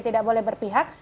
tidak boleh berpihak